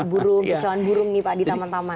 burung pecahan burung nih pak di taman taman